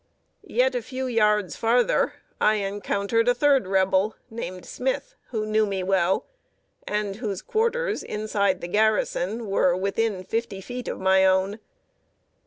Yet a few yards farther, I encountered a third Rebel, named Smith, who knew me well, and whose quarters, inside the garrison, were within fifty feet of my own.